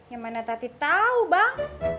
ya mana tati tau bang